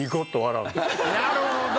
なるほど。